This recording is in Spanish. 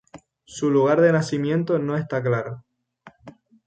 Su lugar de nacimiento no está claro.